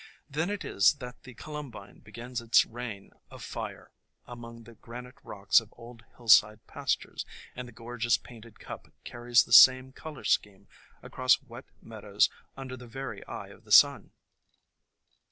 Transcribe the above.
Then it is that the Columbine begins its reign of fire among the granite rocks of old hillside pas tures, and the gorgeous Painted Cup carries the THE COMING OF SPRING same color scheme across wet meadows under the very eye of the sun.